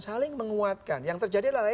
saling menguatkan yang terjadi adalah